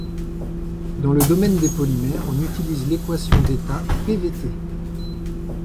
Dans le domaine des polymères, on utilise l'équation d'état pvT.